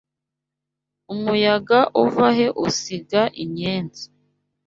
Umuyaga uva he usiga Inyenzi